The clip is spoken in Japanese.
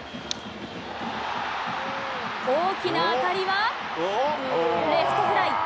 大きな当たりは、レフトフライ。